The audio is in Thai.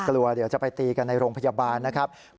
เดี๋ยวจะไปตีกันในโรงพยาบาลนะครับ